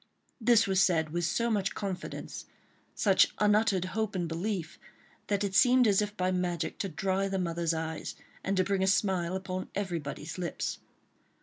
This was said with so much confidence, such unuttered hope and belief, that it seemed as if by magic to dry the mother's eyes, and to bring a smile upon everybody's lips.